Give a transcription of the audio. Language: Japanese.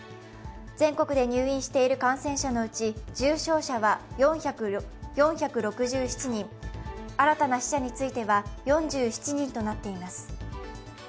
全国で入院している感染者のうち重症者は４６７人、新たな死者については４７人となっています。